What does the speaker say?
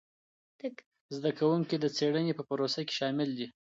زده کوونکي د څېړنې په پروسه کي شامل دي.